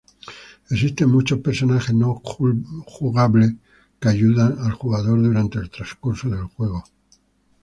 Existen muchos personajes no jugables que ayudan al jugador durante el transcurso del juego.